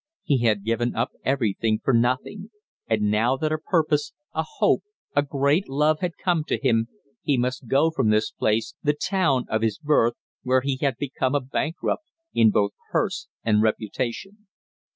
He had given up everything for nothing, and now that a purpose, a hope, a great love had come to him, he must go from this place, the town of his birth, where he had become a bankrupt in both purse and reputation.